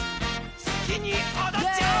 すきにおどっちゃおう！